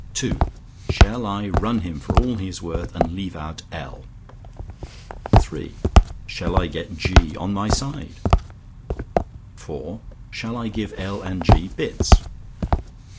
"(II) Shall I run him for all he is worth, and leave out L? "(III) Shall I get G on my side? "(IV) Shall I give L and G bits?"